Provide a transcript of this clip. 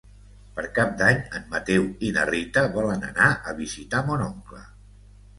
Per Cap d'Any en Mateu i na Rita volen anar a visitar mon oncle.